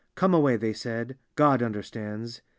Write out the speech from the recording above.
" Come away," they said, " God understands."